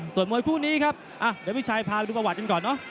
ส่วนมวยคู่นี้ครับเดี๋ยวพี่ชัยพาไปดูประวัติกันก่อนเนอะ